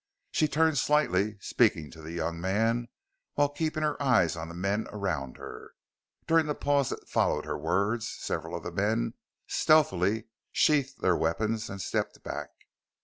She turned slightly, speaking to the young man while keeping her eyes on the men around her. During the pause that followed her words several of the men stealthily sheathed their weapons and stepped back.